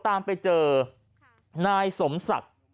ตามไปเจอนายสมศักดิ์